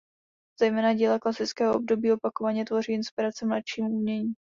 Zejména díla klasického období opakovaně tvoří inspiraci mladšímu umění.